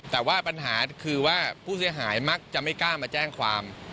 แต่ว่าปัญหาคือว่าผู้เสียหายมักจะไม่กล้ามาแจ้งความ